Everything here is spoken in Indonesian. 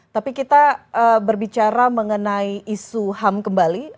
tapi kita berbicara mengenai isu ham kembali